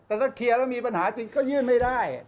แต่ถ้าเคลียร์แล้วมีปัญหาจริงก็ยื่นไม่ได้